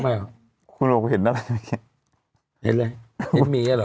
ทำไมอ่ะคุณหนูก็เห็นอะไรเห็นไม่คิดเห็นอะไรเห็นหมีอ่ะหรอ